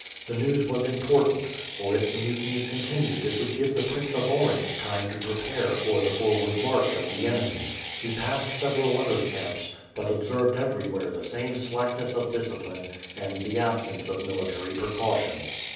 The news was important, for if the mutiny continued it would give the Prince of Orange time to prepare for the forward march of the enemy. He passed several other camps, but observed everywhere the same slackness of discipline and the absence of military precaution.